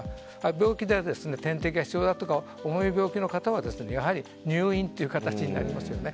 病気で点滴が必要だとか重い病気の方は入院という形になりますよね。